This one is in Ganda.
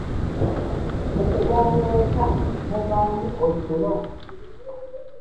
Mu kubongoota muvaamu otulo.